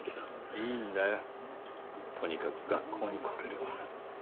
いいんだよとにかく学校に来れれば。